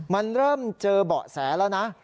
มันเริ่มเจอเบาะแสแล้วนะ